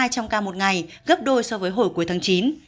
trong ca một ngày gấp đôi so với hồi cuối tháng chín